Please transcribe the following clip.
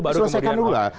selesaikan dulu lah